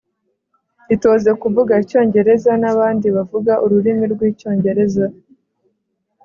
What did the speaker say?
Itoze kuvuga icyongereza n abandi bavuga ururimi rw icyongereza